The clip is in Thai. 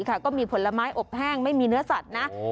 ผลไม้อบแห้งไม่มีเนื้อสัตว์นะ